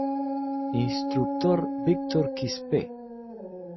Instructor Victor Quispe.